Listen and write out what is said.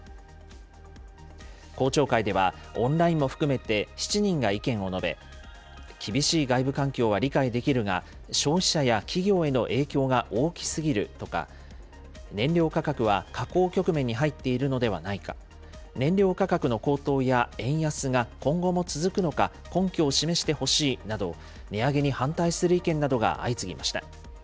公聴会では、オンラインも含めて７人が意見を述べ、厳しい外部環境は理解できるが、消費者や企業への影響が大きすぎるとか、燃料価格は下降局面に入っているのではないか、燃料価格の高騰や円安が今後も続くのか、根拠を示してほしいなど値上げに反対する意見などが相次ぎました。